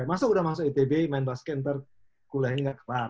masa sudah masuk itb main basket nanti sekolahnya tidak kelar